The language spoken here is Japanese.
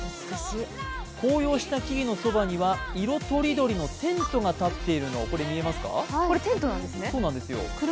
紅葉した木々のそばには色とりどりのテントが立っているの、見えますか？